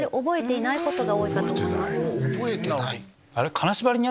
覚えてない！